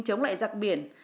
chống lại giặc biển